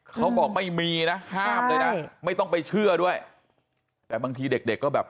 เขาบอกไม่มีนะไม่ต้องไปเชื่อด้วยแต่บางทีเด็กก็แบบ